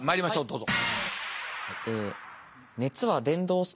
どうぞ。